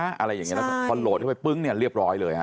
อะไรอย่างงี้แล้วพอโหลดเข้าไปปึ๊บเรียบร้อยเลย